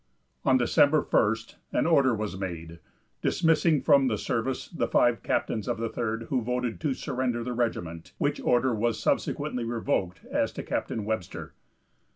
On December 1st an order was made, dismissing from the service the five captains of the Third who voted to surrender the regiment, which order was subsequently revoked as to Captain Webster.